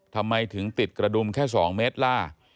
ทำไมถึงติดกระดุมแค่๒เมตรล่ะ